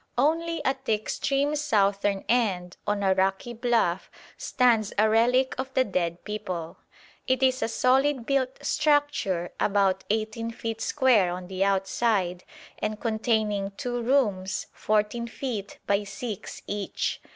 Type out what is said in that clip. Only at the extreme southern end on a rocky bluff stands a relic of the dead people. It is a solid built structure about 18 feet square on the outside, and containing two rooms 14 feet by 6 each.